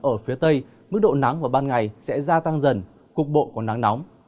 ở phía tây mức độ nắng vào ban ngày sẽ gia tăng dần cục bộ có nắng nóng